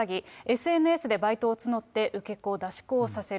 ＳＮＳでバイトを募って受け子、出し子をさせる。